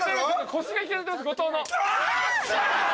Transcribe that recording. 腰が引けてます後藤の。